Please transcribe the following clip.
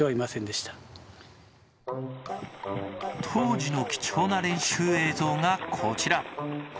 当時の貴重な練習映像がこちら。